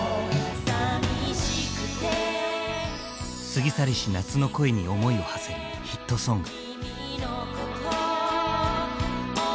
過ぎ去りし夏の恋に思いを馳せるヒットソング。